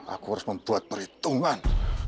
aku harus membuat perhitungan